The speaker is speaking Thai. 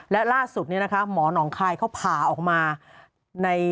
และล่าสุดนี้นะคะหมอหนองคายเขาผ่าออกมาใน